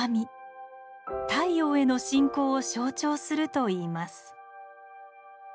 太陽への信仰を象徴するといいます。